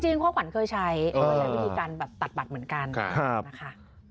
จริงความหวังเคยใช้วิธีการตัดบัตรเหมือนกันนะคะ